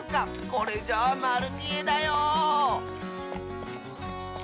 これじゃあまるみえだよ。